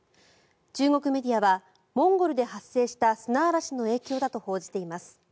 中国メディアはモンゴルで発生した砂嵐の影響だと報じています。